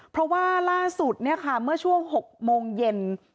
เพราะว่าล่าสุดเนี่ยค่ะเมื่อช่วง๖โมงเย็น